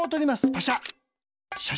パシャ。